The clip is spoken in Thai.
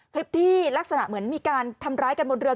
คลิปที่ลักษณะเหมือนมีการทำร้ายกันบนเรือ